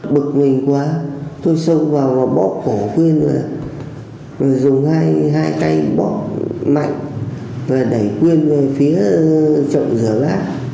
bực mình quá tôi sâu vào và bóp cổ quyên dùng hai tay bóp mạnh và đẩy quyên về phía trọng giữa lá